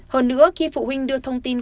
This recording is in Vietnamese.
hơn nữa khi phụ huynh đưa thông tin